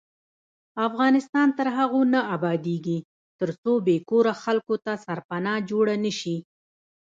افغانستان تر هغو نه ابادیږي، ترڅو بې کوره خلکو ته سرپناه جوړه نشي.